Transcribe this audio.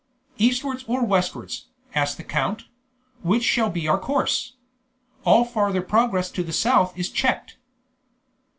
"Eastwards or westwards," asked the count "which shall be our course? All farther progress to the south is checked."